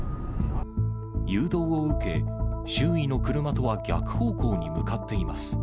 誘導を受け、周囲の車とは逆方向に向かっています。